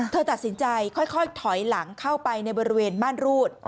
เธอตัดสินใจค่อยถอยหลังเข้าไปในบริเวณบ้านรูด